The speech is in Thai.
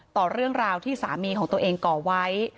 ต่อเรื่องราวที่สามีของตัวเองก่อไว้